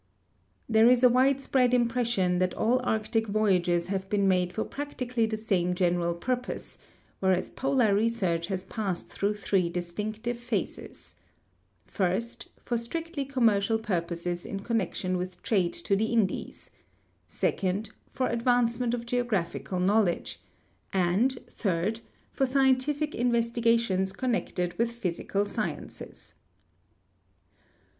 There is a ^\it^espread impression that all Arctic voyages have been made for practically the same general purpose, whereas polar research has passed through three distinctive phases : First, for strictly commercial purposes in connection with trade to the Indies ; second, for advancement of geographical knowledge, and, third, for scientific investigations connected with physical sciences.